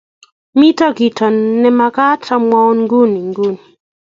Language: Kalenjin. mito kito ne mekat amwoun nguni nguni